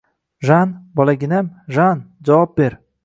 Jan, bolaginam, Jan, javob ber